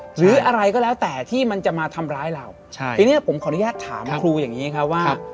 หรืออะไรก็แล้วแต่ที่มันจะมาทำร้ายเราใช่ทีนี้ผมขออนุญาตถามครูอย่างนี้ครับว่า